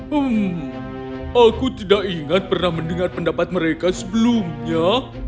hmm aku tidak ingat pernah mendengar pendapat mereka sebelumnya